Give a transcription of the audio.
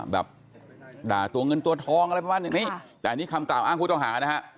แบบด่าตัวเงินตัวทองอะไรประมาณอย่างนี้แต่อันนี้คำกล่าวอ้างผู้ต้องหานะฮะ